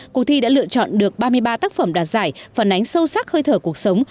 cuộc thi đã lựa chọn được ba mươi ba tác phẩm đạt giải phản ánh sâu sắc hơi thở cuộc sống